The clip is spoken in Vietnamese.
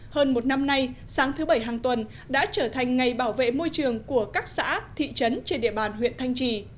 hơn một năm nay sáng thứ bảy hàng tuần đã trở thành ngày bảo vệ môi trường của các xã thị trấn trên địa bàn huyện thanh trì